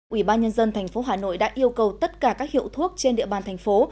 ủy ban nhân dân tp hà nội đã yêu cầu tất cả các hiệu thuốc trên địa bàn thành phố